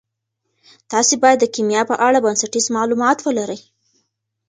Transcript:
تاسي باید د کیمیا په اړه بنسټیز معلومات ولرئ.